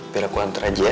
biar aku hantar aja ya